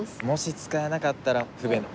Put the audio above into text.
もし使えなかったら不便。